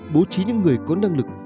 bố trí những người có năng lực